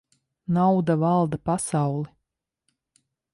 Nauda valda pasauli.